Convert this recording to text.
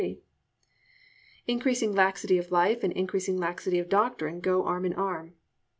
Increasing laxity of life and increasing laxity of doctrine go arm in arm.